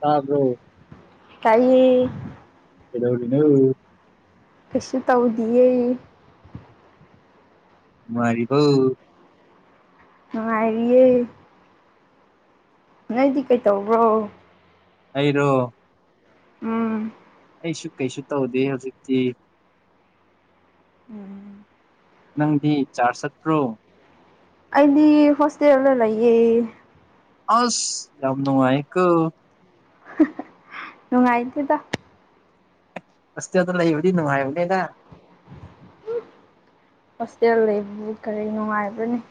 ꯇꯥꯕ꯭ꯔꯣ ꯇꯥꯏꯌꯦ ꯀꯩꯗꯧꯔꯤꯅꯣ ꯀꯩꯁꯨ ꯇꯧꯗꯤꯌꯦ ꯅꯨꯉꯥꯏꯔꯤꯕꯣ ꯅꯨꯪꯉꯥꯏꯔꯤꯌꯦ ꯅꯪꯗꯤ ꯀꯩꯇꯧꯕ꯭ꯔꯣ ꯑꯩꯔꯣ ꯎꯝ ꯑꯩꯁꯨ ꯀꯩꯁꯨ ꯇꯧꯗꯦ ꯍꯧꯖꯤꯛꯇꯤ ꯎꯝ ꯅꯪꯗꯤ ꯆꯥꯔꯖ ꯆꯠꯇ꯭ꯔꯣ ꯑꯩꯗꯤ ꯍꯣꯁꯇꯦꯜꯗꯥ ꯂꯩꯌꯦ ꯑꯁ ꯌꯥꯝ ꯅꯨꯡꯉꯥꯏꯌꯦ ꯀꫭ ꯅꯨꯡꯉꯥꯏꯇꯦꯗ ꯍꯣꯁꯇꯦꯜ ꯗꯥ ꯂꯩꯕꯥꯗꯤ ꯅꯨꯡꯉꯥꯏꯕꯅꯤꯗꯥ ꯍꯣꯁꯇꯦꯜ ꯂꯩꯕꯕꯨ ꯀꯔꯤ ꯅꯨꯡꯉꯥꯏꯕꯔꯥꯅ‌ꯦ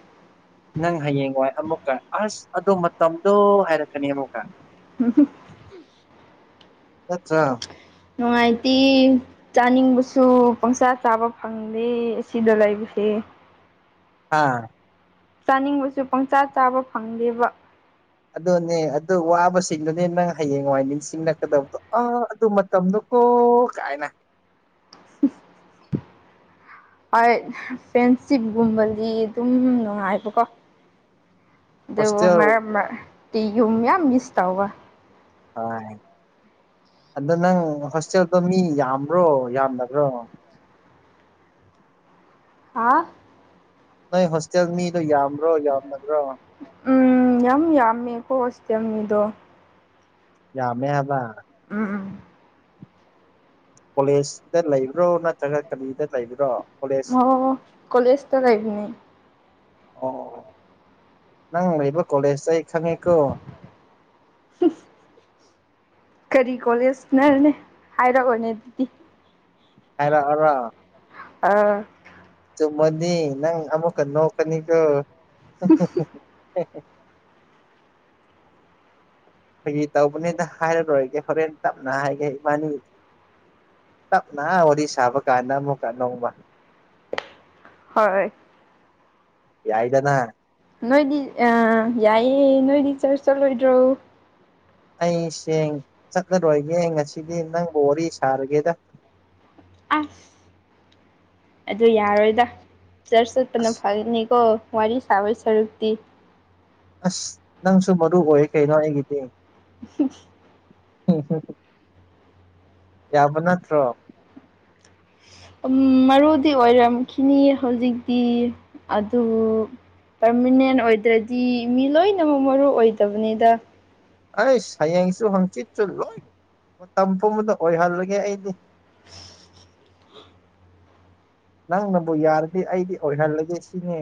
ꯅꯪ ꯍꯌꯦꯡꯋꯥꯏ ꯑꯃꯨꯛꯀꯥ ꯑꯁ ꯑꯗꯣ ꯃꯇꯝꯗꯣ ꯍꯥꯏꯔꯛꯀꯅꯤ ꯑꯃꯨꯛꯀꯥ [unintelligible] ꯅꯠꯇꯔꯥ ꯅꯨꯡꯉꯥꯏꯇꯦ ꯆꯥꯅꯤꯡꯕꯁꯨ ꯄꯪꯆꯥ ꯆꯥꯕ ꯐꯪꯗꯦ ꯑꯁꯤꯗ ꯂꯩꯕꯁꯦ ꯍꯥ ꯆꯥꯅꯤꯡꯕꯁꯨ ꯄꯪꯆꯥ ꯆꯥꯕ ꯐꯪꯗꯦꯕ ꯑꯗꯨꯅꯦ ꯑꯗꯨ ꯋꯥꯕꯁꯤꯡꯗꯨꯅꯦ ꯅꯪ ꯍꯥꯌꯦꯡꯋꯥꯏ ꯅꯤꯡꯁꯤꯡꯂꯛꯀꯗꯕꯗꯣ ꯑꯥ ꯑꯗꯨ ꯃꯇꯝꯗꯣ ꯑꯣ ꯀꯥꯏꯅ ꯍꯣꯏ ꯐ꯭ꯔꯦꯟꯁꯤꯞꯀꯨꯝꯕꯗꯤ ꯑꯗꯨꯝ ꯅꯨꯡꯉꯥꯏꯕꯀꯣ ꯑꯗꯨꯕꯨ ꯍꯣꯁꯇꯦꯜ ꯃꯔꯛ ꯃꯔꯛꯇꯤ ꯌꯨꯝ ꯌꯥꯝ ꯃꯤꯁ ꯇꯧꯕ ꯍꯣꯏ ꯑꯗꯣ ꯅꯪ ꯍꯣꯁꯇꯦꯜꯗꯣ ꯃꯤ ꯌꯥꯝꯕ꯭ꯔꯣ ꯌꯥꯝꯗꯕ꯭ꯔꯣ ꯍꯥ ꯅꯣꯏ ꯍꯣꯁꯇꯦꯜ ꯃꯤꯗꯣ ꯌꯥꯝꯕ꯭ꯔꯣ ꯌꯥꯝꯗꯕ꯭ꯔꯣ ꯎꯝ ꯌꯥꯝ ꯌꯥꯝꯃꯦꯀꯣ ꯍꯣꯁꯇꯦꯜ ꯃꯤꯗꯣ ꯌꯥꯝꯃꯦ ꯍꯥꯏꯕ ꯎꯝ ꯎꯝ ꯀꯣꯂꯦꯖꯇꯥ ꯂꯩꯕ꯭ꯔꯣ ꯅꯠꯇ꯭ꯔꯒ ꯀꯔꯤꯗꯥ ꯂꯩꯕ꯭ꯔꯣ ꯀꯣꯂꯦꯖ ꯑꯣ ꯀꯣꯂꯦꯁꯇꯥ ꯂꯩꯕꯅꯤ ꯑꯣ ꯅꯪ ꯂꯩꯕ ꯀꯣꯂꯦꯁ ꯑꯩ ꯈꯪꯉꯦꯀꯣ [unintelligible] ꯀꯔꯤ ꯀꯣꯂꯦꯖꯅꯔꯅꯦ ꯍꯥꯏꯔꯛꯑꯣꯅꯦ ꯑꯗꯨꯗꯤ ꯍꯥꯏꯔꯛꯑꯣꯔꯣ ꯑꯥ ꯆꯨꯝꯃꯗꯤ ꯅꯪ ꯑꯃꯨꯛꯀꯥ ꯅꯣꯛꯀꯅꯤꯀꯣ [unintelligible] ꯐꯥꯒꯤ ꯇꯧꯕꯅꯤꯗꯥ ꯍꯥꯏꯔꯔꯣꯏꯒꯦ ꯍꯣꯔꯦꯟ ꯇꯞꯅ ꯍꯥꯏꯒꯦ ꯏꯕꯥꯅꯤ ꯇꯞꯅ ꯋꯥꯔꯤ ꯁꯥꯕ ꯀꯥꯟꯗ ꯑꯃꯨꯛꯀꯥ ꯅꯣꯡꯃꯥ ꯍꯣꯏ ꯌꯥꯏꯗꯅꯥ ꯅꯣꯏꯗꯤ ꯑ ꯌꯥꯏꯌꯦ ꯅꯣꯏꯗꯤ ꯆꯔꯁ ꯆꯠꯂꯣꯏꯗ꯭ꯔꯣ ꯑꯩ ꯁꯦꯡ ꯆꯠꯂꯔꯣꯏꯒꯦ ꯉꯁꯤꯗꯤ ꯅꯪꯕꯨ ꯋꯥꯔꯤ ꯁꯥꯔꯒꯦꯗ ꯑꯁ ꯑꯗꯨ ꯌꯥꯔꯣꯏꯗ ꯆꯔꯁ ꯆꯠꯄꯅ ꯑꯁ ꯐꯥꯒꯅꯤꯀꯣ ꯋꯥꯔꯤ ꯁꯥꯕꯩ ꯁꯔꯨꯛꯇꯤ ꯑꯁ ꯅꯪꯁꯨ ꯃꯔꯨ ꯑꯣꯏ ꯀꯩꯅꯣ ꯑꯩꯒꯤꯗꯤ [inaudible] [unintelligible] ꯌꯥꯕ ꯅꯠꯇ꯭ꯔꯣ ꯎꯝ ꯃꯔꯨꯗꯤ ꯑꯣꯏꯔꯝꯈꯤꯅꯤ ꯍꯧꯖꯤꯛꯇꯤ ꯑꯗꯨ ꯄꯔꯃꯤꯅꯦꯟ ꯑꯣꯏꯗ꯭ꯔꯗꯤ ꯃꯤ ꯂꯣꯏꯅꯃꯛ ꯃꯔꯨ ꯑꯣꯏꯗꯕꯅꯤꯗ ꯑꯩꯁ ꯍꯌꯦꯡꯁꯨ ꯍꯥꯡꯆꯤꯠꯁꯨ ꯂꯣꯏ ꯃꯇꯝ ꯄꯨꯝꯕꯗ ꯑꯣꯏꯍꯜꯂꯒꯦ ꯑꯩꯗꯤ ꯅꯪꯅꯕꯨ ꯌꯥꯔꯗꯤ ꯑꯩꯗꯤ ꯑꯣꯏꯍꯜꯂꯒꯦ ꯁꯤꯅꯤ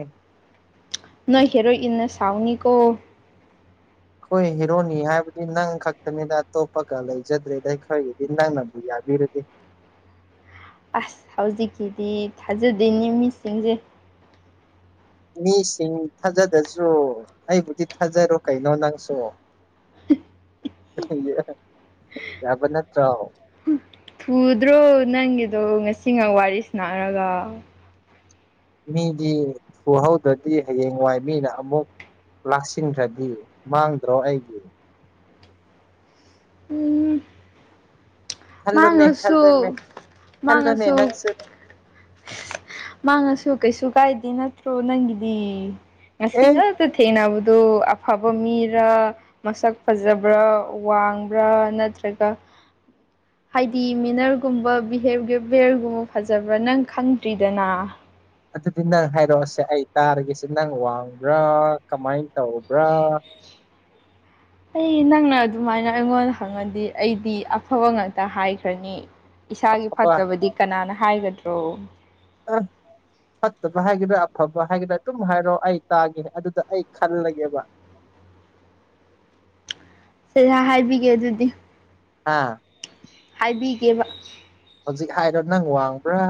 ꯅꯣꯏ ꯍꯦꯔꯣꯏꯟꯅ ꯁꯥꯎꯅꯤꯀꯣ ꯑꯩꯈꯣꯏ ꯍꯦꯔꯣꯅꯤ ꯍꯥꯏꯕꯗꯤ ꯅꯪ ꯈꯛꯇꯅꯤꯅ ꯑꯇꯣꯞꯄꯒ ꯂꯩꯖꯗ꯭ꯔꯦꯗ ꯑꯩꯈꯣꯏꯒꯤꯗꯤ ꯅꯪꯅꯕꯨ ꯌꯥꯕꯤꯔꯗꯤ ꯑꯁ ꯍꯧꯖꯤꯛꯀꯤꯗꯤ ꯊꯥꯖꯗꯦꯅꯦ ꯃꯤꯁꯤꯡꯁꯦ ꯃꯤꯁꯤꯡ ꯊꯥꯖꯗꯁꯨ ꯑꯩꯕꯨꯗꯤ ꯊꯥꯖꯔꯣ ꯀꯩꯅꯣ ꯅꯪꯁꯨ [unintelligible] ꯌꯥꯕ ꯅꯠꯇ꯭ꯔꯣ ꯊꯨꯗ꯭ꯔꯣ ꯅꯪꯒꯤꯗꯣ ꯉꯁꯤ ꯉꯥ ꯋꯥꯔꯤ ꯁꯥꯟꯅꯔꯒ ꯃꯤꯗꯤ ꯊꯨꯍꯧꯗ꯭ꯔꯗꯤ ꯍꯌꯦꯡ ꯋꯥꯏ ꯃꯤꯅ ꯑꯃꯨꯛ ꯂꯥꯛꯁꯤꯟꯈ꯭ꯔꯗꯤ ꯃꯥꯡꯗ꯭ꯔꯣ ꯑꯩꯒꯤ ꯎꯝ ꯈꯜꯂꯨꯅꯦ ꯃꯥꯡꯉꯥꯁꯨ ꯈꯜꯂꯨꯅꯦ ꯈꯜꯂꯨꯅꯦ ꯃꯥꯡꯉꯥꯁꯨ ꯅꯪꯁꯨ ꯃꯥꯡꯉꯥꯁꯨ ꯀꯩꯁꯨ ꯀꯥꯏꯗꯦ ꯅꯠꯇ꯭ꯔꯣ ꯅꯪꯒꯤꯗꯤ ꯉꯁꯤ ꯑꯦ ꯉ ꯇꯥ ꯊꯦꯡꯅꯕꯗꯨ ꯑꯐꯕ ꯃꯤꯔꯥ ꯃꯁꯛ ꯐꯖꯕ꯭ꯔꯥ ꯋꯥꯡꯕ꯭ꯔꯥ ꯅꯠꯇ꯭ꯔꯒ ꯍꯥꯏꯗꯤ ꯃꯦꯅꯔꯒꯨꯝꯕ ꯕꯤꯍꯦ ꯕꯤꯍꯦꯕꯤꯌꯔꯒꯨꯝꯕ ꯐꯖꯕ꯭ꯔꯥ ꯅꯪ ꯈꯪꯗ꯭ꯔꯤ ꯗꯅꯥ ꯑꯗꯨꯗꯤ ꯅꯪ ꯍꯥꯏꯔꯛꯑꯣꯁꯦ ꯑꯩ ꯇꯥꯔꯒꯦꯁꯦ ꯅꯪ ꯋꯥꯡꯕ꯭ꯔꯥ ꯀꯃꯥꯏ ꯇꯧꯕ꯭ꯔꯥ ꯑꯩ ꯅꯪꯅ ꯑꯗꯨꯃꯥꯏꯅ ꯑꯩꯉꯣꯟꯗ ꯈꯪꯉꯗꯤ ꯑꯩꯗꯤ ꯑꯐꯕ ꯉꯥꯛꯇ ꯍꯥꯏꯈ꯭ꯔꯅꯤ ꯏꯁꯥꯒꯤ ꯑꯐꯕ ꯐꯠꯇꯕꯗꯤ ꯀꯅꯥꯅ ꯍꯥꯏꯒꯗ꯭ꯔꯣ [unintelligible] ꯐꯠꯇꯕ ꯍꯥꯏꯒꯗ꯭ꯔꯥ ꯑꯐꯕ ꯍꯥꯏꯒꯗ꯭ꯔꯥ ꯑꯗꯨꯝ ꯍꯥꯏꯔꯣ ꯑꯩ ꯇꯥꯒꯦ ꯑꯗꯨꯗ ꯑꯩ ꯈꯜꯂꯒꯦꯕ ꯁꯦꯁꯦ ꯍꯥꯏꯕꯤꯒꯦ ꯑꯗꯨꯗꯤ ꯑꯥ ꯍꯥꯏꯕꯤꯒꯦꯕ ꯍꯧꯖꯤꯛ ꯍꯥꯏꯔꯣ ꯅꯪ ꯋꯥꯡꯕ꯭ꯔꯥ